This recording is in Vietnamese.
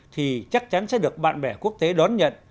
thì chắc chắn sẽ được bạn bè quốc tế đón nhận